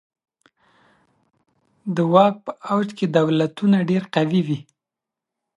د واک په اوج کي دولتونه ډیر قوي وي.